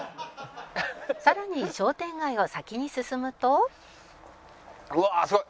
「さらに商店街を先に進むと」